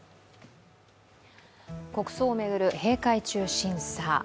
国葬を巡る閉会中審査。